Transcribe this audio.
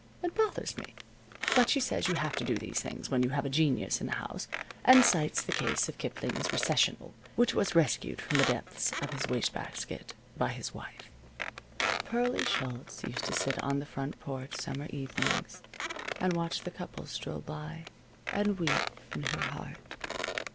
It bothers me. But she says you have to do these things when you have a genius in the house, and cites the case of Kipling's "Recessional," which was rescued from the depths of his wastebasket by his wife.) Pearlie Schultz used to sit on the front porch summer evenings and watch the couples stroll by, and weep in her heart.